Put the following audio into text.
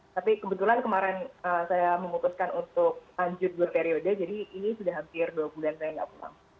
tapi kebetulan kemarin saya memutuskan untuk lanjut dua periode jadi ini sudah hampir dua bulan saya nggak pulang